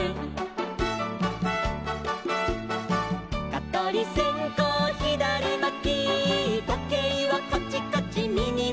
「かとりせんこうひだりまき」「とけいはカチカチみぎまきで」